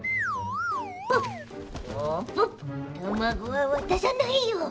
卵は渡さないよ。